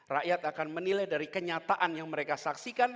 rakyat akan menilai dari kenyataan yang mereka saksikan